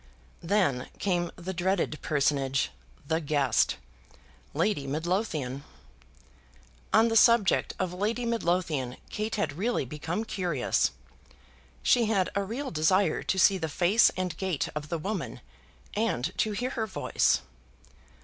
Then came the dreaded personage, the guest, Lady Midlothian! On the subject of Lady Midlothian Kate had really become curious. She had a real desire to see the face and gait of the woman, and to hear her voice.